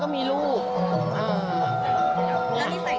โปรดติดตามต่อไป